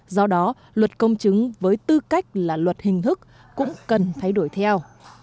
do đó luật công chứng với tư cách là luật hình thức cũng cần thay đổi theo